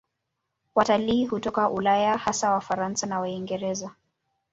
Watalii hutoka Ulaya, hasa Wafaransa na Waingereza.